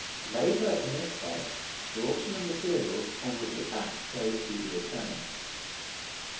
Labor in this way draws from the materials on which it acts very speedy returns.